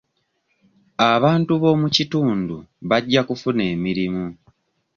Abantu b'omu kitundu bajja kufuna emirimu.